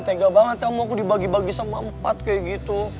tega banget kamu dibagi bagi sama empat kayak gitu